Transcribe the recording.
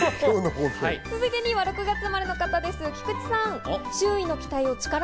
続いて２位は６月生まれの方です、菊地さん。